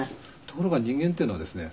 ところが人間っていうのはですね